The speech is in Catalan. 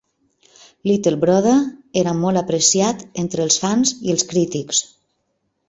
Little Brother era molt apreciat entre els fans i els crítics.